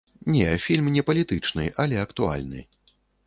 Не, фільм не палітычны, але актуальны.